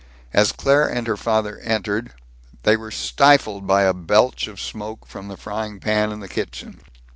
As Claire and her father entered, they were stifled by a belch of smoke from the frying pan in the kitchen.